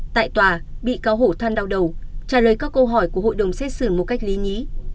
tại tòa bị cáo hổ than đau đầu trả lời các câu hỏi của hội đồng xét xử một cách lý nhí